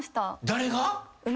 誰が？